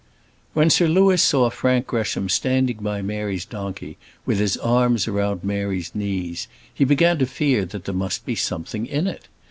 When Sir Louis saw Frank Gresham standing by Mary's donkey, with his arms round Mary's knees, he began to fear that there must be something in it.